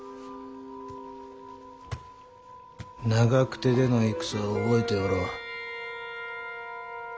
長久手での戦を覚えておろう？